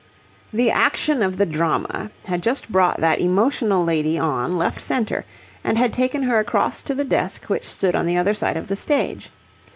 The action of the drama had just brought that emotional lady on left centre and had taken her across to the desk which stood on the other side of the stage.